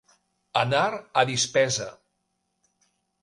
Anar a dispesa.